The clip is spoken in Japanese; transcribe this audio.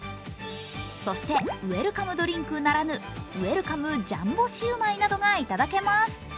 そしてウェルカムドリンクならぬウェルカムジャンボシウマイなどが頂けます。